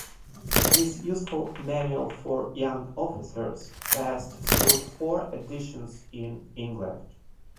This useful manual for young officers passed through four editions in England.